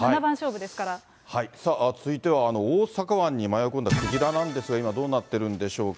さあ、続いては大阪湾に迷い込んだクジラなんですが、今どうなってるんでしょうか。